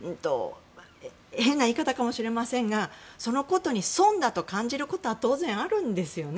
変な言い方かもしれませんがそのことに損だと感じることは当然あるんですよね。